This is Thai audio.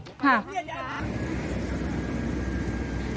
ค่ะ